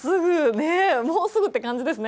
もうすぐって感じですね